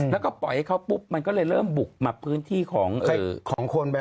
แล้วก็ปล่อยให้เขาปุ๊บมันก็เลยเริ่มบุกมาพื้นที่ของคนไป